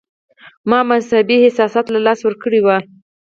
ما مذهبي احساسات له لاسه ورکړي وي.